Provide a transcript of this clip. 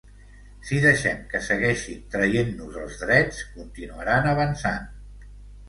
Si deixem que segueixin traient-nos els drets, continuaran avançant.